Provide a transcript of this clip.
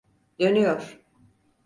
Dönüyor!